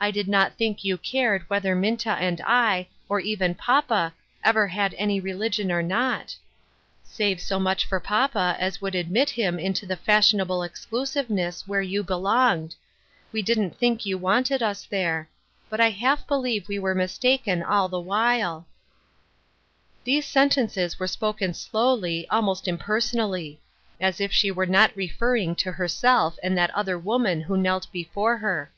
I did not think you cared whether Minta and I, or even papa, ever had any religion or not ; save so much for papa as would admit him into the fashionable exciusiveness where you belonged ; we didn't think you wanted us there ; but I half believe we were mistaken all the while." 246 BELATED WORK. These sentences were spoken slowly, almost impersonally ; as if she were not referring to herself and that other woman who knelt before her.